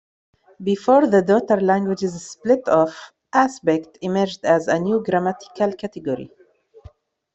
Before the daughter languages split off, "aspect" emerged as a new grammatical category.